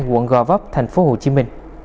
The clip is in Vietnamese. quận gò vấp tp hcm